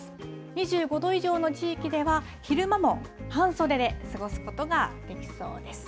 ２５度以上の地域では、昼間も半袖で過ごすことができそうです。